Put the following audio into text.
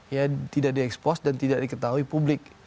ya tidak diekspos dan tidak diketahui publik